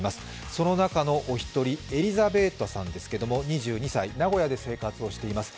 その中のお一人、エリザベータさんですけれども２２歳、名古屋で生活をしています。